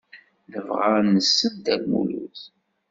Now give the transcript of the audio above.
Nebɣa ad nessen Dda Lmulud.